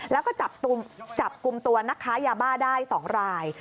แล้วก็จับกลุ่มตัวนักค้ายาบ้าได้๒ราย